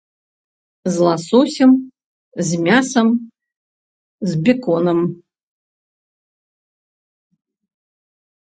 З ласосем, з мясам, з беконам.